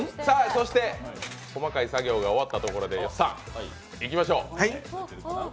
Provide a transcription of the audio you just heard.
そして細かい作業が終わったところでいきましょう。